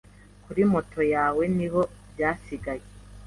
kuri moto yawe niho byasigaye